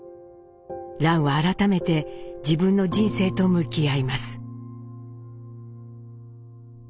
蘭は改めて自分の人生と向き合います。